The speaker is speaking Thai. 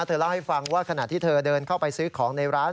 เธอเล่าให้ฟังว่าขณะที่เธอเดินเข้าไปซื้อของในร้าน